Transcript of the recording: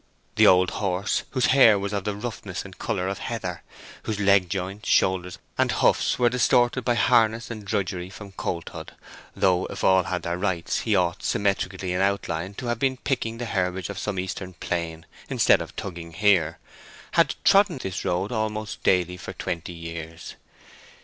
The old horse, whose hair was of the roughness and color of heather, whose leg joints, shoulders, and hoofs were distorted by harness and drudgery from colthood—though if all had their rights, he ought, symmetrical in outline, to have been picking the herbage of some Eastern plain instead of tugging here—had trodden this road almost daily for twenty years.